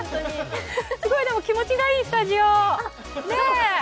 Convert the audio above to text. すごい、気持ちがいいスタジオ、ねえ。